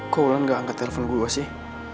kok ulan gak angkat telepon gue sih